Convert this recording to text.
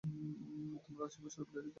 তোমার আশির্বাদস্বরূপ ডায়েরির কথা ভুলো না।